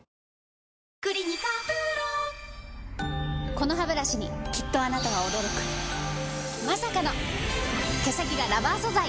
このハブラシにきっとあなたは驚くまさかの毛先がラバー素材！